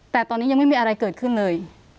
แต่ตอนนี้ยังไม่มีอะไรเกิดขึ้นเลย